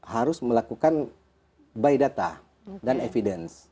harus melakukan by data dan evidence